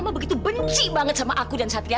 aku begitu benci banget sama aku dan satria